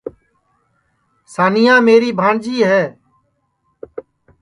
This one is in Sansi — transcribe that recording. سانیا میری بھانٚجی ہے